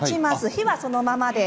火はそのままで。